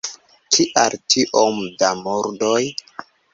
Kial tiom da murdoj?